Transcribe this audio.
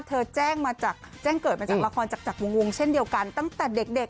เธอแจ้งเกิดมาจากละครจากวงเช่นเดียวกันตั้งแต่เด็กเลย